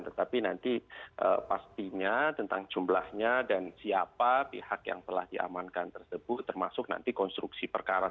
tetapi nanti pastinya tentang jumlahnya dan siapa pihak yang telah diamankan tersebut termasuk nanti konstruksi perkara